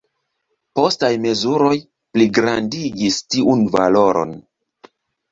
Postaj mezuroj pligrandigis tiun valoron.